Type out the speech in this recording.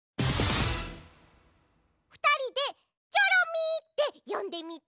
ふたりで「チョロミー」ってよんでみて？